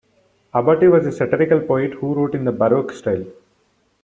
Abati was a satirical poet who wrote in the Baroque style.